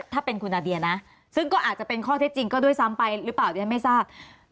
ถ้าเป็นคุณนาเดียนะซึ่งก็อาจจะเป็นข้อเท็จจริงก็ด้วยซ้ำไปหรือเปล่าดิฉันไม่ทราบ